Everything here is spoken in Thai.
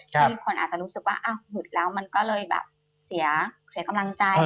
ที่คนอาจจะรู้สึกว่าหยุดแล้วมันก็เลยแบบเสียกำลังใจ